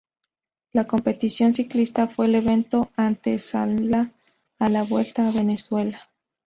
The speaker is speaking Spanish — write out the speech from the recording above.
La competición ciclista fue el evento antesala a la Vuelta a Venezuela.